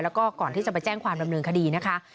แล้วก็ก่อนที่จะไปแจ้งความดำเนินคดีนะคะ